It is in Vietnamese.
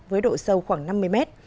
với độ sâu khoảng năm mươi mét